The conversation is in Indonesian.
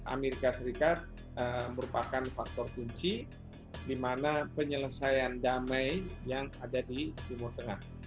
amerika serikat merupakan faktor kunci di mana penyelesaian damai yang ada di timur tengah